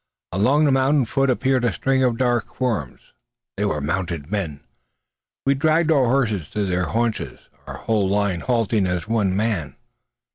Along the mountain foot appeared a string of dark forms. They were mounted men! We dragged our horses to their haunches, our whole line halting as one man.